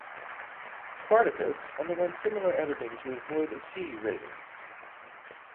"Spartacus" underwent similar editing to avoid a C rating.